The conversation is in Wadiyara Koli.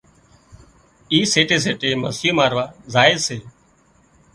اي سيٽي سيٽي مسيون ماروا زائي سي